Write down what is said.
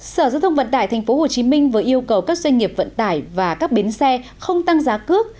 sở giao thông vận tải tp hcm vừa yêu cầu các doanh nghiệp vận tải và các bến xe không tăng giá cước